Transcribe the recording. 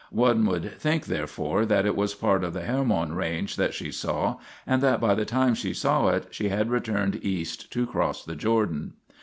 One would think, there fore, that it was part of the Hermon range that she saw, and that by the time she saw it, she had turned east to cross the Jordan.